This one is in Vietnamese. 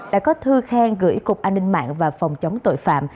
đã có thư khen gửi cục an ninh mạng và phòng chống tội phạm